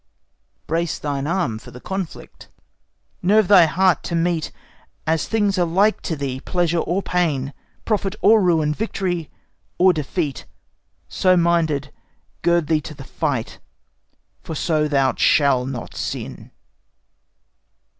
Brace Thine arm for conflict; nerve thy heart to meet, As things alike to thee, pleasure or pain, Profit or ruin, victory or defeat. So minded, gird thee to the fight, for so Thou shalt not sin!